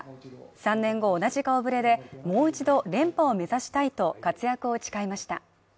３年後同じ顔ぶれでもう一度連覇を目指したいと活躍を誓いました。